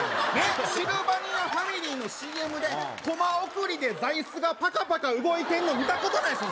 シルバニアファミリーのＣＭで、コマ送りで座いすがぱたぱた動いてんの見たことない。